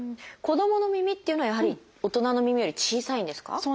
子どもの耳っていうのはやはり大人の耳より小さいんですか？